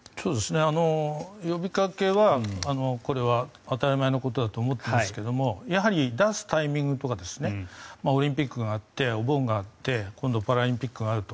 呼びかけはこれは当たり前のことだと思っていますがやはり出すタイミングとかオリンピックがあってお盆があって今度はパラリンピックがあると。